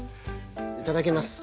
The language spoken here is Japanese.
いただきます。